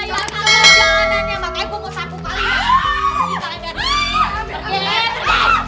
jangan ngembak gue mau sabuk banget